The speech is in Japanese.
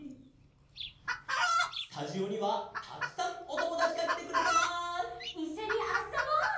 スタジオにはたくさんおともだちがきてくれてます！いっしょにあっそぼう！